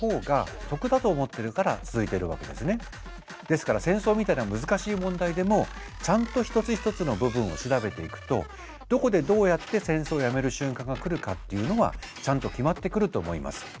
ですから戦争みたいな難しい問題でもちゃんと一つ一つの部分を調べていくとどこでどうやって戦争をやめる瞬間が来るかっていうのはちゃんと決まってくると思います。